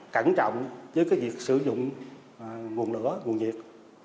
cẩn trọng với việc sử dụng nguồn lửa nguồn nhiệt